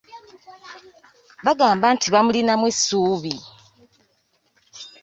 Bagamba nti bamulinamu essuubi.